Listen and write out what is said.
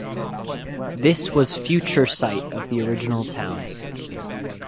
This was future site of the original town.